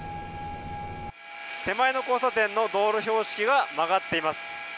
手前の交差点の道路標識が曲がっています。